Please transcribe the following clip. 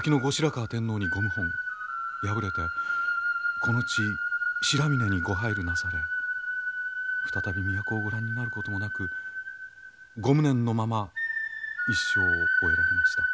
敗れてこの地白峰にご配流なされ再び都をご覧になることもなくご無念のまま一生を終えられました。